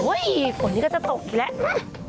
ฝนนี้ก็จะตกอีกแล้ว